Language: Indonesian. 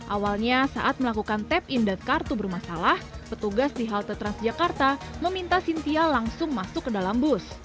awalnya saat melakukan tap in dan kartu bermasalah petugas di halte transjakarta meminta cynthia langsung masuk ke dalam bus